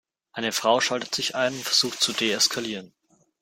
Eine Frau schaltet sich ein und versucht zu deeskalieren.